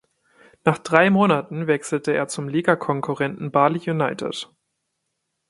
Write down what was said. Nach drei Monaten wechselte er zum Ligakonkurrenten Bali United.